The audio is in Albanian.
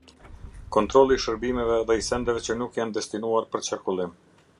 Kontrolli i shërbimeve dhe i sendeve që nuk janë destinuar për qarkullim.